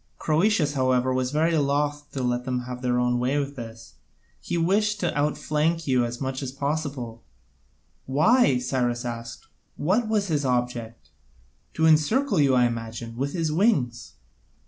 Croesus, however, was very loth to let them have their own way in this: he wished to outflank you as much as possible." "Why?" Cyrus asked, "what was his object?" "To encircle you, I imagine, with his wings."